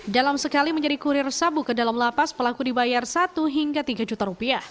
dalam sekali menjadi kurir sabu ke dalam lapas pelaku dibayar satu hingga tiga juta rupiah